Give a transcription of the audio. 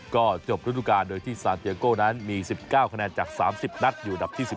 ก็จบฤดูการโดยที่ซานเตียโก้นั้นมี๑๙คะแนนจาก๓๐นัดอยู่อันดับที่๑๑